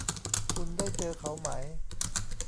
คุณได้เจอเขาไหม